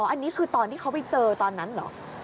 อันนี้คือตอนที่เขาไปเจอตอนนั้นเหรอ